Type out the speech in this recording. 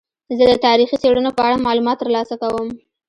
زه د تاریخي څیړنو په اړه معلومات ترلاسه کوم.